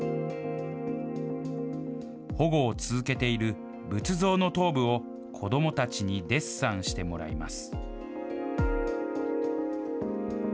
保護を続けている仏像の頭部を、子どもたちにデッサンしてもらいます。